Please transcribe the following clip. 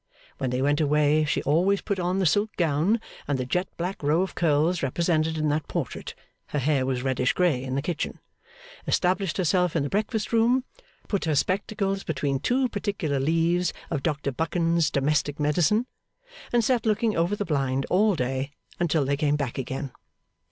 When they went away, she always put on the silk gown and the jet black row of curls represented in that portrait (her hair was reddish grey in the kitchen), established herself in the breakfast room, put her spectacles between two particular leaves of Doctor Buchan's Domestic Medicine, and sat looking over the blind all day until they came back again.